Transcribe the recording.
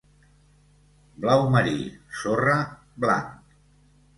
Blau marí, sorra, blanc.